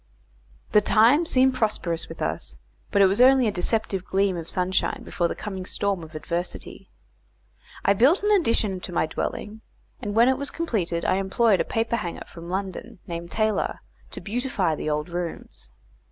The times seemed prosperous with us, but it was only a deceptive gleam of sunshine before the coming storm of adversity. I built an addition to my dwelling; and when it was completed I employed a paperhanger from London named Taylor, to beautify the old rooms.